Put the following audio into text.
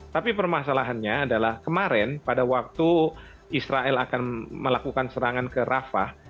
tapi permasalahannya adalah kemarin pada waktu israel akan melakukan serangan ke rafah